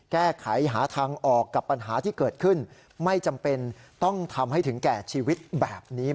แก้ไขหาทางออกกับปัญหาที่เกิดขึ้นไม่จำเป็นต้องทำให้ถึงแก่ชีวิตแบบนี้